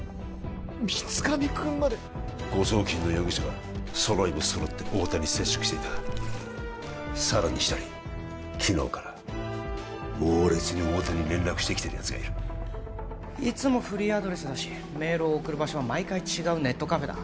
水上君まで誤送金の容疑者が揃いも揃って太田に接触していたさらに１人昨日から猛烈に太田に連絡してきてるやつがいるいつもフリーアドレスだしメールを送る場所は毎回違うネットカフェだ